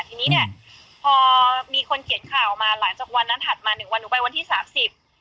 ทีนี้เนี้ยพอมีคนเขียนข่าวมาหลังจากวันนั้นถัดมาหนึ่งวันหนูไปวันที่สามสิบ